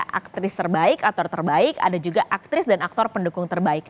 ada aktris terbaik aktor terbaik ada juga aktris dan aktor pendukung terbaik